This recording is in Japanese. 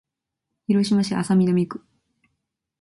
広島市安佐南区